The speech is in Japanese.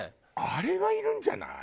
あれはいるんじゃない？